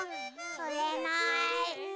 つれない。